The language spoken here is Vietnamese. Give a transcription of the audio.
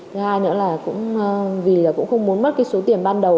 thứ hai nữa là vì cũng không muốn mất số tiền ban đầu